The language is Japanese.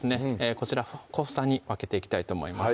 こちら小房に分けていきたいと思います